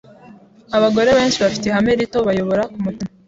Abagore benshi bafite ihame rito, bayobora kumutima.